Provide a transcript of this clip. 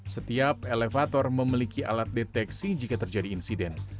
setiap elevator memiliki alat deteksi jika terjadi insiden